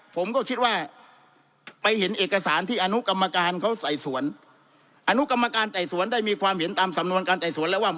ผมก็คิดว่าไปเห็นเอกสารที่อนุกรรมการเขาไต่สวนอนุกรรมการไต่สวนได้มีความเห็นตามสำนวนการไต่สวนแล้วว่า